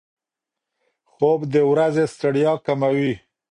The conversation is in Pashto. خوب د ورځې ستړیا کموي.